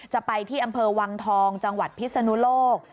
จะไปที่อำเภอวังทองจังหวัดพิศนุโลก